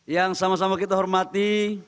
yang sama sama kita hormati